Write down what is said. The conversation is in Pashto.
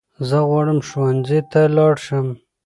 زه غواړم ښونځي ته لاړشم